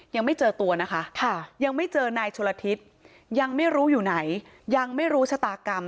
ยังไม่เจอนายชนละทิศยังไม่รู้อยู่ไหนยังไม่รู้ชะตากรรม